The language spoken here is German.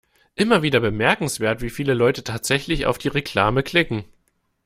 Immer wieder bemerkenswert, wie viele Leute tatsächlich auf die Reklame klicken.